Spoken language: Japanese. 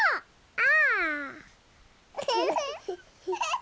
あ！